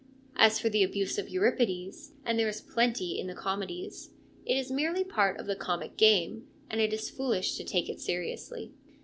As for the abuse of Euripides, and there is plenty in the comedies, it is merely part of the comic game, and it is foolish to take it seriously.